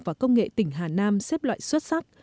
và công nghệ tỉnh hà nam xếp loại xuất sắc